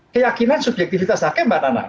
keyakinan subjektivitas hakim mbak nana